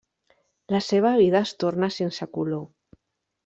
La seva vida es torna sense color.